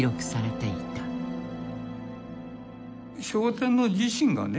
昭和天皇自身がね